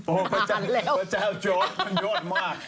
โอ้โฮพระเจ้าโจ๊กมันโยดมาก